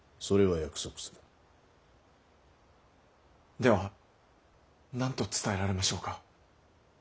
では何と伝えられましょうか。